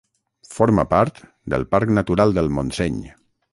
Forma part del Parc Natural del Montseny.